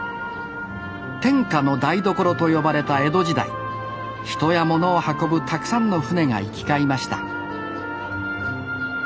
天下の台所と呼ばれた江戸時代人や物を運ぶたくさんの舟が行き交いました